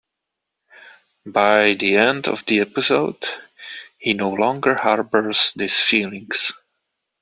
By the end of the episode, he no longer harbors these feelings.